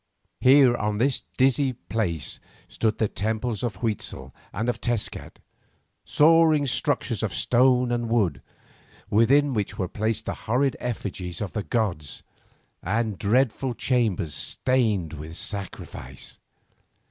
Here on this dizzy place stood the temples of Huitzel and of Tezcat, soaring structures of stone and wood, within which were placed the horrid effigies of the gods, and dreadful chambers stained with sacrifice.